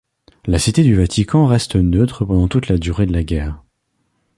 La Cité du Vatican reste neutre pendant toute la durée de la guerre.